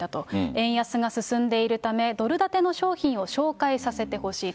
円安が進んでいるため、ドル建ての商品を紹介させてほしいと。